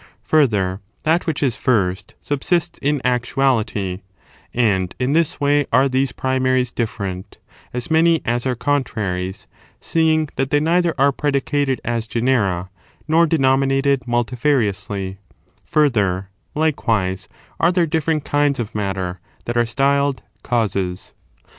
Further, that which is first subsists in actuality, and in this way are these primaries different, — as many as are contraries, — seeing that they neither are predi cated as genera, rfor denominated multiferiously ; further, likewise, are there different kinds of matter that are styled causes.